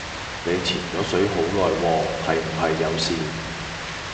你潛左水好耐喎，係唔係有事